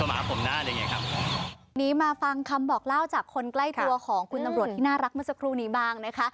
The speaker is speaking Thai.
หนีมาฟังคำบอกเล่าจากคนใกล้ตัวของคุณตำรวจที่น่ารักเมื่อสักครู่นี้บ้างนะคะ